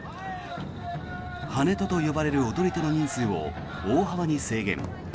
ハネトと呼ばれる踊り手の人数を大幅に制限。